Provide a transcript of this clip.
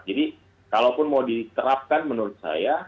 jadi kalaupun mau diterapkan menurut saya